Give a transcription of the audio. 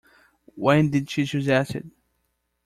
When did she suggest it?